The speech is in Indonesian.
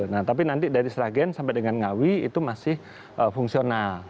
nah tapi nanti dari sragen sampai dengan ngawi itu masih fungsional